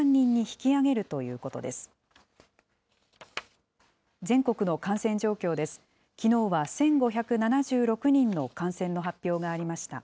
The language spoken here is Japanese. きのうは１５７６人の感染の発表がありました。